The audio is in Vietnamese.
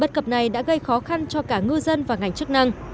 bất cập này đã gây khó khăn cho cả ngư dân và ngành chức năng